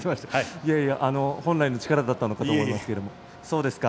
いやいや本来の力だったんだと思いますけれども。